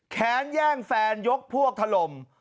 แค้นแย่งแฟนยกพวกถล่ม